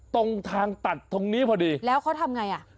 ตรงทางตัดตรงนี้พอดีแล้วเขาทำไงอ่ะ